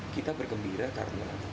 kita bergembira karena